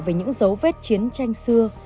về những dấu vết chiến tranh xưa